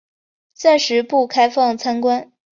暂时不开放参观